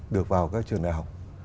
được vào các trường đại học